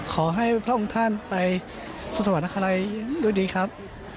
ขอให้พระองค์ท่านไปสวรรคาลัยด้วยดีครับ